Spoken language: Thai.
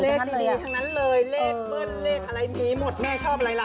เลขดีเล็กเบิร์คเทเปิ๊ชขายความชอบไว้